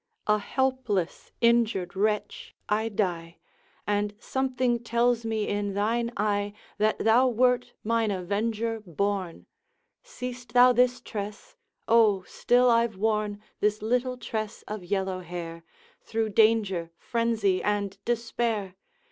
A helpless injured wretch I die, And something tells me in thine eye That thou wert mine avenger born. Seest thou this tress? O. still I 've worn This little tress of yellow hair, Through danger, frenzy, and despair!